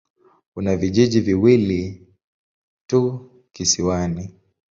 Kuna vijiji viwili tu kisiwani.